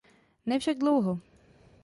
Ne však dlouho.